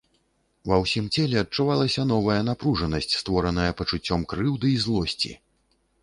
Ва ўсім целе адчувалася новая напружанасць, створаная пачуццём крыўды і злосці.